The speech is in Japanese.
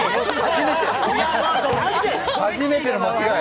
初めての間違い。